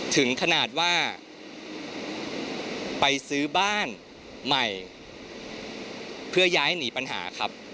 ถึงขนาดว่าไปซื้อบ้านใหม่เพื่อย้ายหนีปัญหาครับ